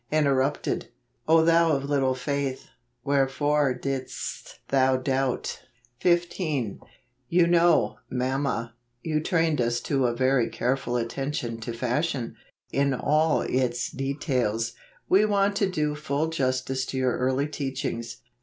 Interrupted. " O thou of little faith, wherefore didst thou doubt f" 78 JULY. 15. " You know, mamma, you trained us to a very careful attention to fashion, in all its details; we want to do full justice to your early teachings.